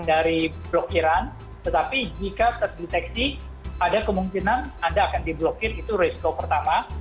dari blokiran tetapi jika terdeteksi ada kemungkinan anda akan diblokir itu resiko pertama